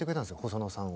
細野さんを。